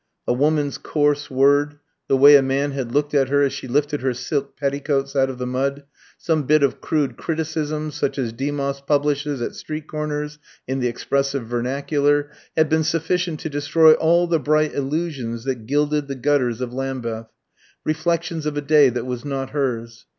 A woman's coarse word, the way a man had looked at her as she lifted her silk petticoats out of the mud, some bit of crude criticism such as Demos publishes at street corners in the expressive vernacular, had been sufficient to destroy all the bright illusions that gilded the gutters of Lambeth reflections of a day that was not hers.